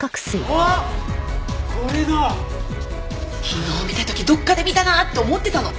昨日見た時どっかで見たなって思ってたの。